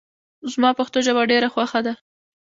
زما پښتو ژبه ډېره خوښه ده